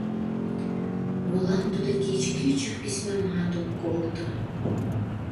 Молан тудо кеч кӱчык письмамат ок колто?